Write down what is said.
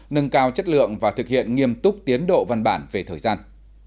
nâng cao chất lượng và thực hiện nghiêm túc tiến độ văn bản về thời gian